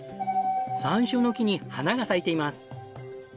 山椒の木に花が咲いています。